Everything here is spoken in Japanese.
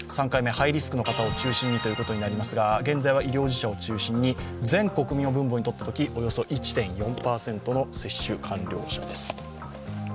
３回目ハイリスクの方を中心にということになりますが現在は医療従事者を中心に、全国民を分母にとったとき、およそ１．４％の接種完了者です。